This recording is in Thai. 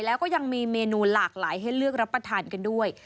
แล้วก็ยังมีเมนูหลากหลายให้เลือกรับประทานกันด้วย